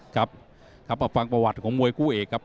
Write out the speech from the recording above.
ครับอฟังประวัติของมวยคู่อีกครับ